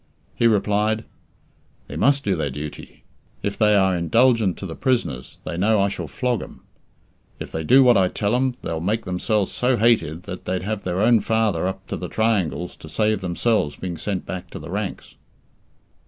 He replied, "They must do their duty. If they are indulgent to the prisoners, they know I shall flog 'em. If they do what I tell 'em, they'll make themselves so hated that they'd have their own father up to the triangles to save themselves being sent back to the ranks."